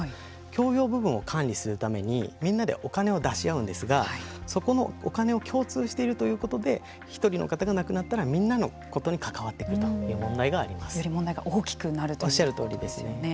共用部分を管理するためにみんなでお金を出し合うんですがそこのお金を共通しているということで１人の方が亡くなったらみんなのことに関わってくるより問題が大きくなるということですよね。